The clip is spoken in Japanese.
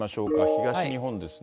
東日本ですね。